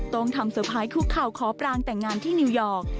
ต้องทำเซอร์ไพรส์คุกเข่าขอปรางแต่งงานที่นิวยอร์ก